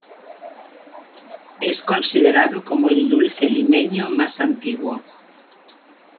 Es considerado como el dulce limeño más antiguo.